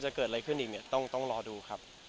อเจมส์ครับหมดแค่นี้แหละครับ